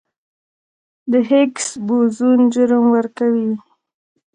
د هیګز بوزون جرم ورکوي.